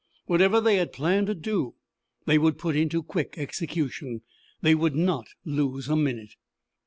Whatever they had planned to do they would put into quick execution. They would not lose a minute.